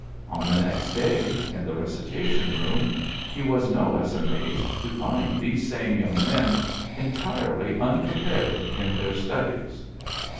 On the next day, in the recitation room, he was no less amazed to find these same young men entirely unprepared in their studies.